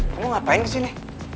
kamu ngapain kesini